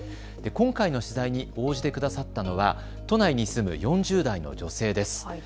今回の取材に応じてくださったのは都内に住む４０代の女性です。